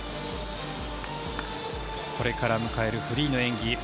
これから迎えるフリーの演技